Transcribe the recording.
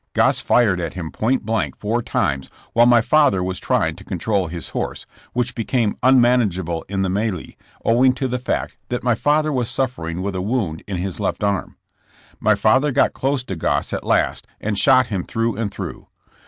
Goss fired at' him point blank four times while my father was try ing to control his horse, which became unmanage able in the melee, owing to the fact that my father was suffering with a wound in his left arm. My father got close to Goss at last and shot him through and through.